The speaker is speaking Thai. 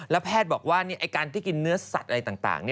แล้วก็เขาบอกว่าไอ้การที่กินเนื้อสัตว์อะไรต่าง